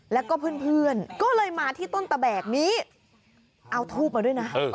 แล้วก็เพื่อนก็เลยมาที่ต้นตะแบกนี้เอาทูบมาด้วยนะ